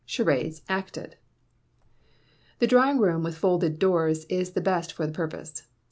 Charades (Acted). A drawing room with folded doors is the best for the purpose.